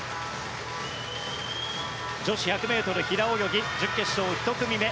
女子１００ｍ平泳ぎ準決勝１組目。